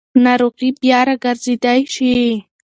ناروغي بیا راګرځېدای شي.